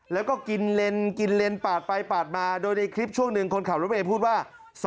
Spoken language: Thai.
แล้วก็กินเลนกินเลนปาดไปปาดมาโดยในคลิปช่วงหนึ่งคนขับรถเมย์พูดว่า